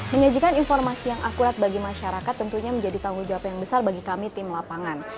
menyajikan informasi yang akurat bagi masyarakat tentunya menjadi tanggung jawab yang besar bagi kami tim lapangan